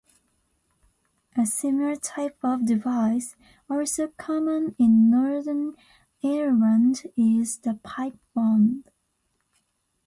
A similar type of device, also common in Northern Ireland, is the pipe bomb.